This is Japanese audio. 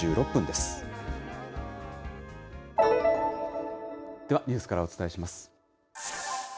では、ニュースからお伝えします。